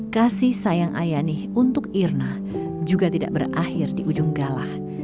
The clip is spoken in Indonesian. kasih sayang ayani untuk irna juga tidak berakhir di ujung galah